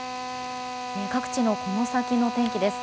各地のこの先の天気です。